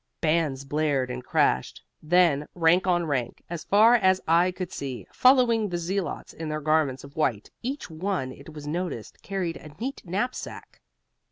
Bands blared and crashed. Then, rank on rank, as far as eye could see, followed the zealots in their garments of white. Each one, it was noticed, carried a neat knapsack.